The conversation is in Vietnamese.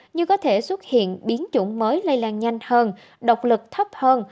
như có thể xuất hiện biến chủng mới lây lan nhanh hơn độc lực thấp hơn